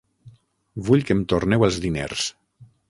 Vull que em torneu els diners.